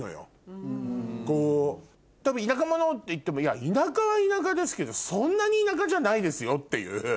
多分田舎者！って言ってもいや田舎は田舎ですけどそんなに田舎じゃないですよっていう。